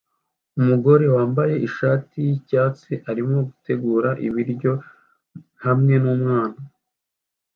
Umugore wambaye ishati yicyatsi arimo gutegura ibiryo hamwe numwana